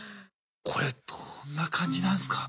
これどんな感じなんすか？